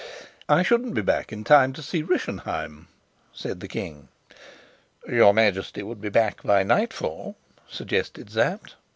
"I shouldn't be back in time to see Rischenheim," said the king. "Your Majesty would be back by nightfall," suggested Sapt.